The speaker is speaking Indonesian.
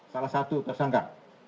salah satu tersangka